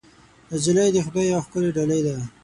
نجلۍ د خدای یوه ښکلی ډالۍ ده.